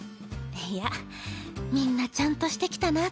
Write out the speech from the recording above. いやみんなちゃんとしてきたなって。